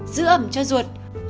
giữ ẩm cho ruột